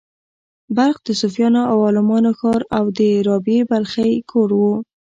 بلخ د صوفیانو او عالمانو ښار و او د رابعې بلخۍ کور و